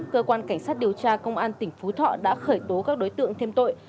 cơ quan cảnh sát điều tra công an tỉnh phú thọ đã khởi tố các đối tượng thêm tội